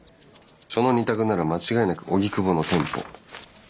その二択なら間違いなく荻窪の店舗。